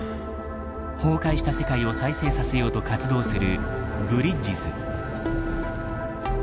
崩壊した世界を再生させようと活動する「ブリッジズ」。